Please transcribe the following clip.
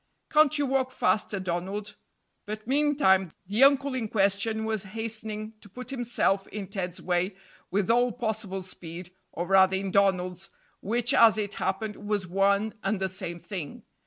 Can't you walk faster, Donald?" But meantime, the uncle in question was hastening to put himself in Ted's way with all possible speed, or rather in Donald's, which, as it happened, was one and the same thing.